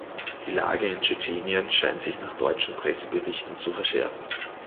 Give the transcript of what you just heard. Die Lage in Tschetschenien scheint sich nach deutschen Presseberichten zu verschärfen.